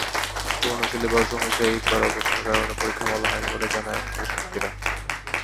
পুরোনো সিলেবাস অনুযায়ী করা প্রশ্নের কারণে পরীক্ষা ভালো হয়নি বলে জানায় পরীক্ষার্থীরা।